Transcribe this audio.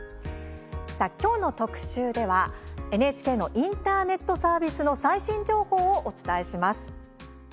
きょうの特集では、ＮＨＫのインターネットサービスの最新情報をお伝えします。